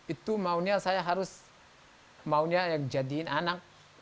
itu maunya saya harus maunya jadiin anak